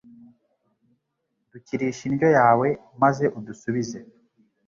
dukirishe indyo yawe maze udusubize